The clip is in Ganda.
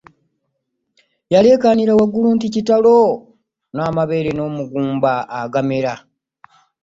Yalekanira waggulu nti kitalo mabeere n'omugumba agamera .